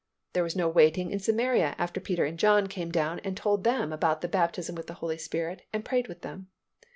There was no waiting in Samaria after Peter and John came down and told them about the baptism with the Holy Spirit and prayed with them.